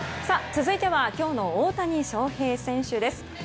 続いては今日の大谷翔平選手です。